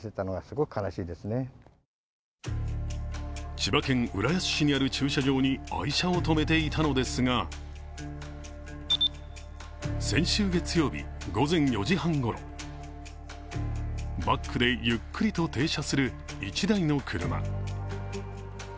千葉県浦安市にある駐車場に愛車を止めていたのですが先週月曜日、午前４時半ごろ、バックでゆっくりと停車する１台の車。